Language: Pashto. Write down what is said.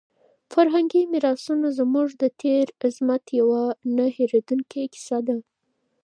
فرهنګي میراثونه زموږ د تېر عظمت یوه نه هېرېدونکې کیسه ده.